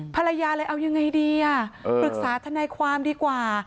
ภรรยาเลยเอายังไงดีอ่ะปรึกษาทนายความดีกว่า